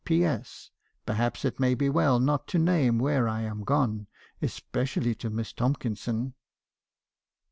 " 'P. S. Perhaps it may be as well not to name where I am gone, especially to Miss Tomkinson.'